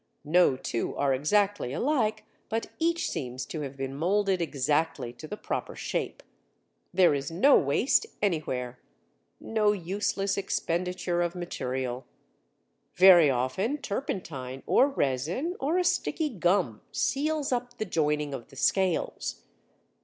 No two are exactly alike, but each seems to have been moulded exactly to the proper shape. There is no waste anywhere, no useless expenditure of material. Very often turpentine or resin or a sticky gum seals up the joining of the scales.